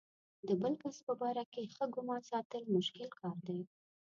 د بل کس په باره کې ښه ګمان ساتل مشکل کار دی.